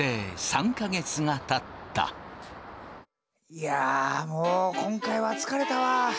いやもう今回は疲れたわ。